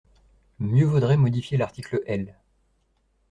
Mieux vaudrait modifier l’article L.